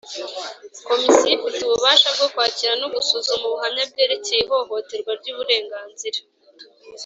Komisiyo ifite ububasha bwo kwakira no gusuzuma ubuhamya bwerekeye ihohoterwa ry uburenganzira